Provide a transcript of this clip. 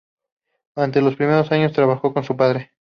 Durante los primeros años trabajó con su padre.